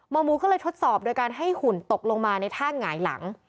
มมูบอกว่าให้หุ่นตกลงมาในท่างหงายหลัง